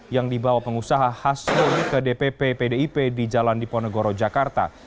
yang dibawa pengusaha hasbun ke dpp pdip di jalan diponegoro jakarta